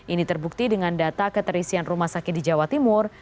ini terbukti dengan data keterisian rumah sakit di jawa timur